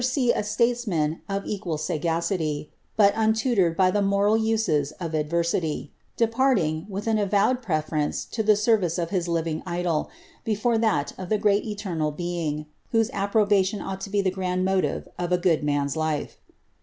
^"^ a statesman of equal sagacity, but untutoreil by the " moral uses of *d versiiy," departing, ivith an avowed preference to the service of Kis living idol, before that of the great eternal Being, whose approbalioo ought to be the grand motive of a good man's life.